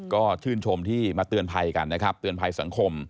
ก็ชื่นชมที่มาเตือนภัยกันนะครับเตือนภัยสังคม